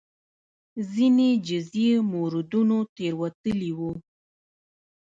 ځینې جزئي موردونو تېروتلي وو.